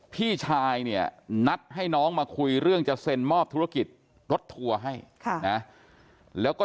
พี่ชายเนี่ยนัดให้น้องมาคุยเรื่องจะเซ็นมอบธุรกิจรถทัวร์ให้แล้วก็